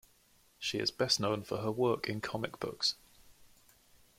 She is best known for her work in comic books.